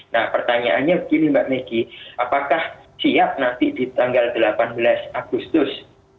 nah pertanyaannya begini mbak meggy apakah siap nanti di tanggal delapan belas agustus